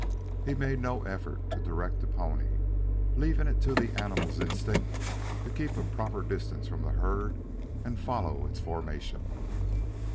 He made no effort to direct the pony, leaving it to the animal's instinct to keep a proper distance from the herd and follow its formation.